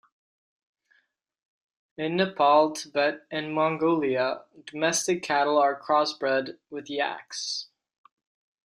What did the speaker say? In Nepal, Tibet and Mongolia, domestic cattle are crossbred with yaks.